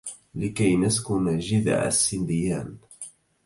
لكي نسكن جذع السنديان!